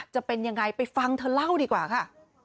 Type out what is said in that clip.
จะเป็นยังไงไปฟังเธอเล่าดีกว่าค่ะ